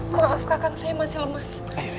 maaf kakak saya masih lemas